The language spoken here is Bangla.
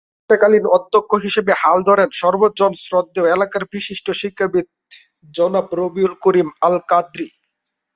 প্রতিষ্ঠাকালীন অধ্যক্ষ হিসাবে হাল ধরেন সর্বজন শ্রদ্ধেয় এলাকার বিশিষ্ট শিক্ষাবিদ জনাব রবিউল করিম আল-কাদরী।